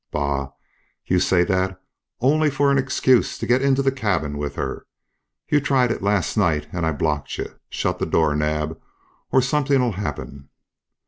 "Bah! You say that only for the excuse to get into the cabin with her. You tried it last night and I blocked you. Shut the door, Naab, or something'll happen."